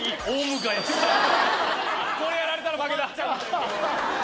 これやられたら負けだ。